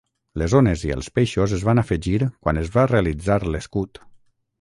Les ones i els peixos es van afegir quan es va realitzar l'escut.